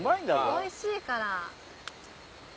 ・おいしいから。